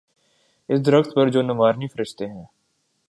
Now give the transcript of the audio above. اس درخت پر جو نوارنی فرشتے ہیں۔